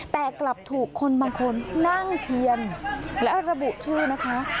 แต่กลับถูกคนบางคนนั่งเทียนและระบุชื่อนะคะ